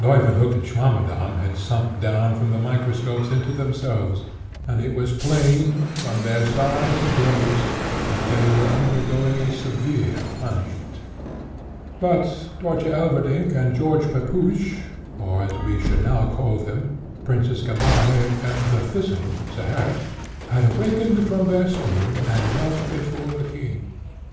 Leuwenhock and Swammerdamm had sunk down from the microscopes into themselves, and it was plain, from their sighs and groans, that they were undergoing a severe punishment. But Dörtje Elverdink and George Pepusch, or, as we should now call them, Princess Gamaheh and the Thistle, Zeherit, had awakened from their swoon, and knelt before the king.